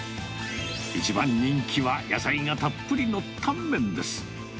一番人気は野菜がたっぷりのタンメンです。